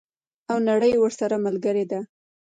او نړۍ ورسره ملګرې ده.